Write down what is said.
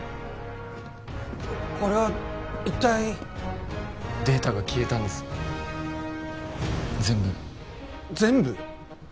これは一体データが消えたんです全部全部！？